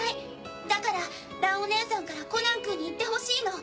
だから蘭おねえさんからコナンくんに言ってほしいの。